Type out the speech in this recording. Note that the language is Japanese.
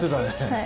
はい。